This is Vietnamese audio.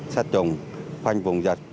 sát trùng khoanh vùng giật